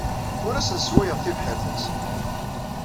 Ur asen-sswayeɣ tibḥirt-nsen.